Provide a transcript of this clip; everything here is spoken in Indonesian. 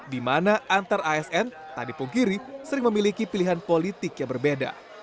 sehingga antar asn tani punggiri sering memiliki pilihan politik yang berbeda